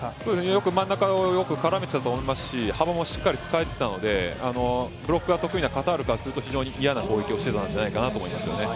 よく真ん中を絡めてたと思いますし幅もしっかり使えていたのでブロックが得意なカタールからすると非常に嫌な攻撃をしていたんじゃないかなと思いますね。